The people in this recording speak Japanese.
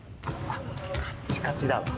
カチカチだわ。